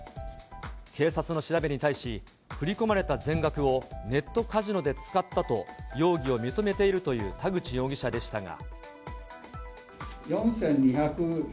警察の調べに対し、振り込まれた全額をネットカジノで使ったと、容疑を認めているという田口容疑者でしたが。